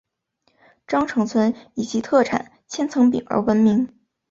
鄣城村以其特产千层饼而闻名。